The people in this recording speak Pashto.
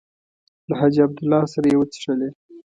له حاجي عبدالله سره یې وڅښلې.